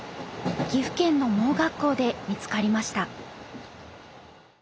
岐阜県の盲学校で見つかりました。